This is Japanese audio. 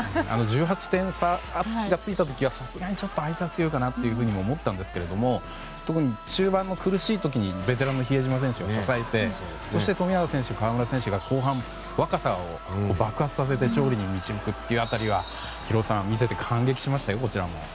１８点差がついた時はさすがに相手が強いかなと思ったんですけど特に中盤の苦しい時にベテランの比江島選手が支えてそして富永選手、河村選手が後半、若さを爆発させて勝利に導く辺りはヒロドさん、見ていてこちらも感激しました。